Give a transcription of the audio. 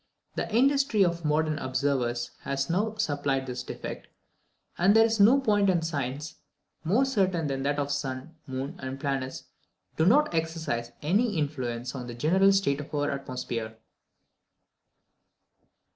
The industry of modern observers has now supplied this defect, and there is no point in science more certain than that the sun, moon, and planets do not exercise any influence on the general state of our atmosphere.